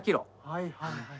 はいはいはい。